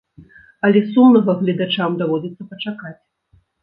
Але сумнага гледачам даводзіцца пачакаць.